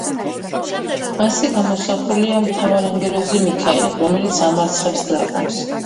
მასზე გამოსახულია მთავარანგელოზი მიქაელი, რომელიც ამარცხებს დრაკონს.